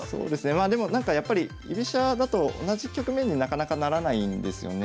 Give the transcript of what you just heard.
まあでもなんかやっぱり居飛車だと同じ局面になかなかならないんですよね。